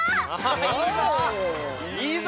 いいぞ！